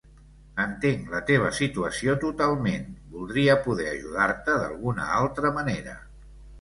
Entenc la teva situació totalment, voldria poder ajudar-te d'alguna altra manera.